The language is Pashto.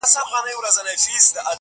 د خوار د ژوند كيسه ماتـه كړه;